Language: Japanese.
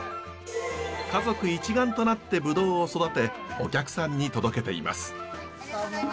家族一丸となってブドウを育てお客さんに届けています。